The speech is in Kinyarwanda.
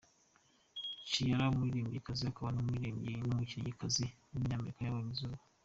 Ciara, umuririmbyikazi akaba n’umubyinnyikazi w’umunyamerika yabonye izuba.